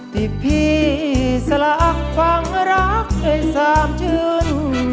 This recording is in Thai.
ที่พี่สละฟังรักเคยสามชื้น